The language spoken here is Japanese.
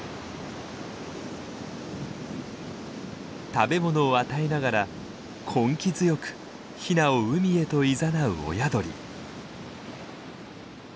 食べ物を与えながら根気強くヒナを海へといざなう親鳥。